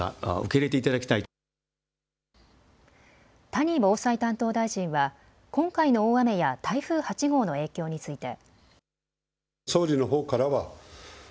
谷防災担当大臣は今回の大雨や台風８号の影響について。